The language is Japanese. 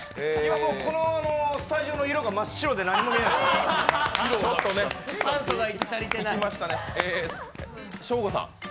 このスタジオの色が真っ白で何も見えないですね。